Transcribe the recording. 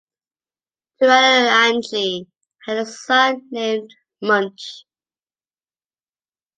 Turunianchi had a son named Munch.